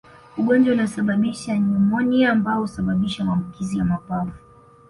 Ugonjwa unaosababisha nyumonia ambao usababisha maambukizi ya mapafu